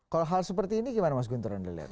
kalau hal seperti ini gimana mas guntur rondeler